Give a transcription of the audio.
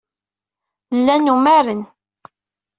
Llan umaren.